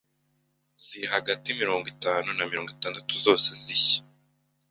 ziri hagati mirongo itanu na mirongo itatu zose zishya.